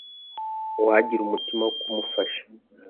uwagira umutima wo kumufasha